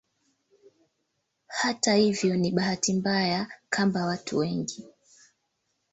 Hata hivyo ni bahati mbaya kamba watu wengi